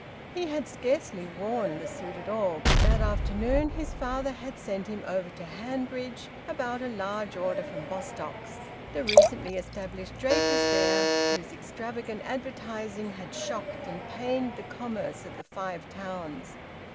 He had scarcely worn the suit at all, but that afternoon his father had sent him over to Hanbridge about a large order from Bostocks, the recently established drapers there whose extravagant advertising had shocked and pained the commerce of the Five Towns.